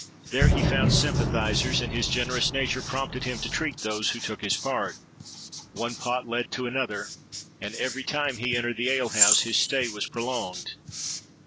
There he found sympathizers; and his generous nature prompted him to treat those who took his part. One pot led to another; and every time he entered the ale house, his stay was prolonged.